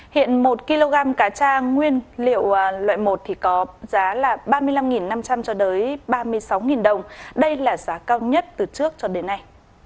hiện một kg cá trang nguyên liệu loại một có giá ba mươi năm năm trăm linh ba mươi sáu đồng đây là giá cao nhất từ trước cho đến nay